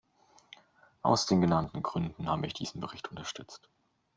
Aus den genannten Gründen habe ich diesen Bericht unterstützt.